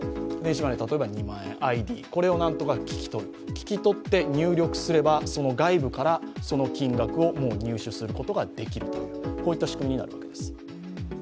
聞き取って入力すれば、外部からその金額を入手することができる、こういった仕組みになっています。